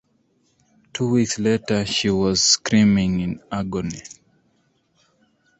Two weeks later she was screaming in agony.